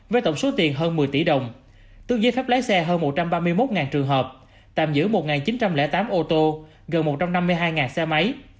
với tổng số tiền hơn một mươi tỷ đồng tương giới phép lái xe hơn một trăm ba mươi một trường hợp tạm giữ một chín trăm linh tám ô tô gần một trăm năm mươi hai xe máy